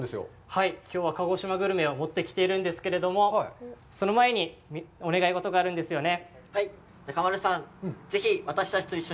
はい、きょうは鹿児島グルメを持ってきているんですけれども、その前にお願い事があるんですよね。